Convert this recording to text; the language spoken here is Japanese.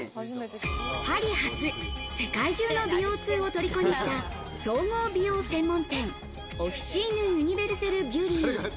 パリ発、世界中の美容通を虜にした、総合美容専門店オフィシーヌ・ユニヴェルセル・ビュリー。